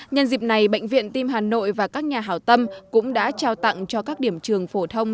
nhân dịp này bệnh viện tim hà nội và các nhà hảo tâm cũng đã trao tặng cho các điểm trường phổ thông